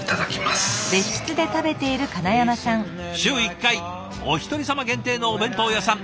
週１回おひとりさま限定のお弁当屋さん。